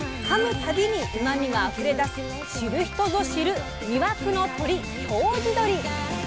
たびにうまみがあふれ出す知る人ぞ知る魅惑の鶏京地どり。